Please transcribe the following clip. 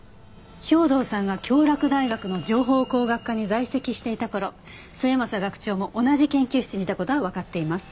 兵働さんが京洛大学の情報工学科に在籍していた頃末政学長も同じ研究室にいた事はわかっています。